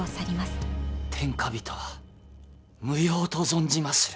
天下人は無用と存じまする。